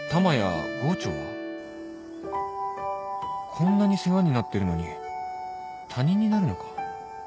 こんなに世話になってるのに他人になるのか？